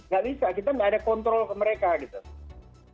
gak bisa kita gak ada kontrol ke mereka gitu